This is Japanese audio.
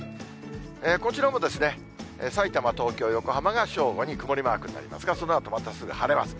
こちらもさいたま、東京、横浜が正午に曇りマークになりますが、そのあとまたすぐ晴れます。